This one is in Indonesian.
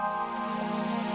tuhan yang terbaik